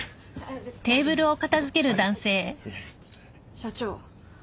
社長。